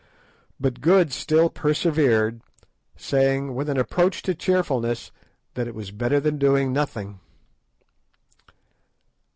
But Good still persevered, saying, with an approach to cheerfulness, that it was better than doing nothing.